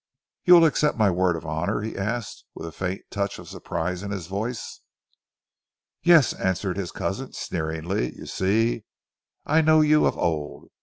"You will accept my word of honour?" he asked with a faint touch of surprise in his voice. "Yes," answered his cousin sneeringly. "You see, I know you of old.